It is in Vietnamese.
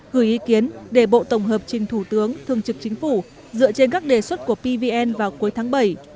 gửi ý kiến để bộ tổng hợp trình thủ tướng thương trực chính phủ dựa trên các đề xuất của pvn vào cuối tháng bảy